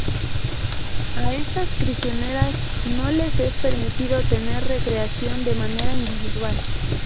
A estas prisioneras no les es permitido tener recreación de manera individual.